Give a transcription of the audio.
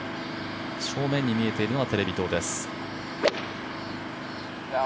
正面に見えているのがテレビ塔です。